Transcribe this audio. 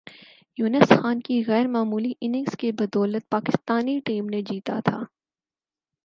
یونس خان کی غیر معمولی اننگز کی بدولت پاکستانی ٹیم نے جیتا تھا